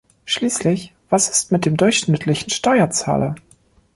Schließlich, was ist mit dem durchschnittlichen Steuerzahler?